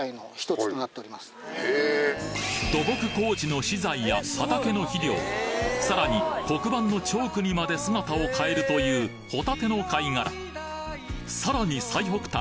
土木工事の資材や畑の肥料さらに黒板のチョークにまで姿を変えるというホタテの貝殻さらに最北端